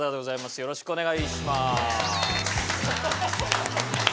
よろしくお願いします。